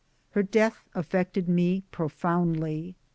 Her death affected me profoundly.